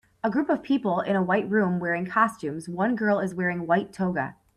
A group of people in a white room wearing costumes one girl is wearing white toga.